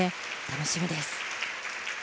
楽しみです